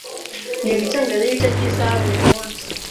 Niga Icyongereza igice cy'isaha buri munsi.